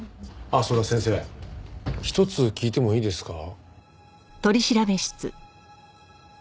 あっそうだ先生一つ聞いてもいいですか？